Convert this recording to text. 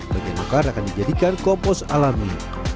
bagian akar akan dijadikan kompos alami